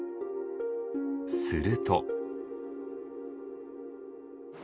すると。